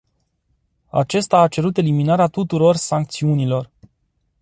Acesta a cerut eliminarea tuturor sancțiunilor.